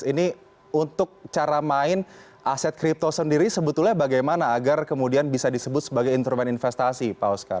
ini untuk cara main aset kripto sendiri sebetulnya bagaimana agar kemudian bisa disebut sebagai instrumen investasi pak osca